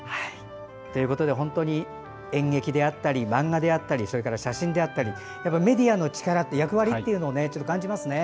本当に演劇であったり漫画であったり写真であったりメディアの役割を感じますね。